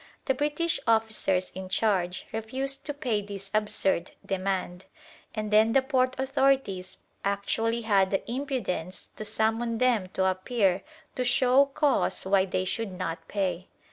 The British officers in charge refused to pay this absurd demand, and then the port authorities actually had the impudence to summon them to appear to show cause why they should not pay.